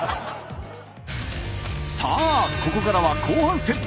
ここからは後半戦。